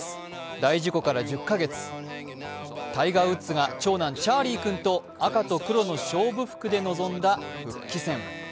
大事故から１０カ月、タイガー・ウッズが長男、チャーリー君と赤と黒の勝負服で臨んだ復帰戦。